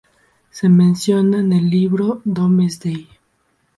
Se menciona en el "Libro Domesday".